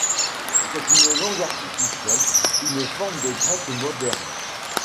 C'est une langue artificielle, une forme du grec moderne.